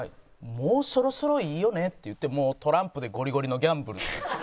もうそろそろいいよねって言ってトランプでゴリゴリのギャンブル。